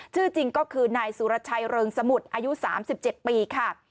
ชื่อจริงก็คือนายสุรชัยเริงสมุทรอายุ๓๗ปีค่ะ